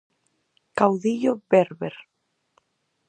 Caudillo bérber.